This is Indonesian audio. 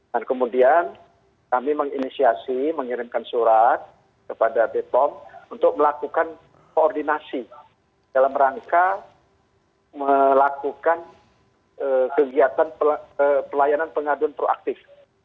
dan kemudian kami menginisiasi mengirimkan surat kepada bepom untuk melakukan koordinasi dalam rangka melakukan kegiatan pelayanan pengaduan proaktif